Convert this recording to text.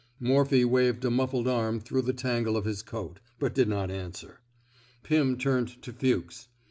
" Morphy waved a muffled arm through the tangle of his coat, but did not answer. Pim turned to Fuchs.